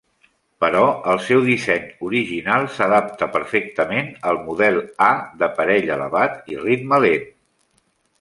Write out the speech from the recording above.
Però el seu disseny original s'adapta perfectament al model A de parell elevat i ritme lent.